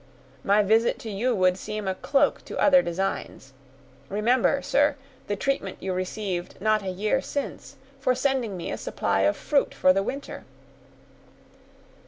My visit to you would seem a cloak to other designs. Remember, sir, the treatment you received not a year since, for sending me a supply of fruit for the winter."